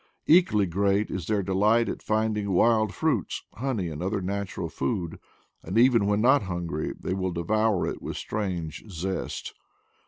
Equally great is their delight at finding wild fruits, honey, and other natural food; and even when not hungry they will devour it with strange zest.